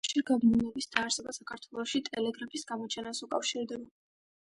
კავშირგაბმულობის დაარსება საქართველოში ტელეგრაფის გამოჩენას უკავშირდება.